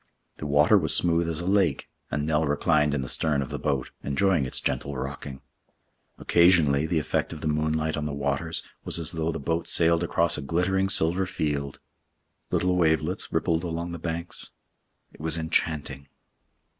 The water was smooth as a lake, and Nell reclined in the stern of the boat, enjoying its gentle rocking. Occasionally the effect of the moonlight on the waters was as though the boat sailed across a glittering silver field. Little wavelets rippled along the banks. It was enchanting.